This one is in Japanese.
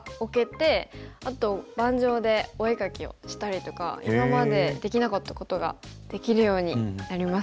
あと盤上でお絵かきをしたりとか今までできなかったことができるようになりますよね。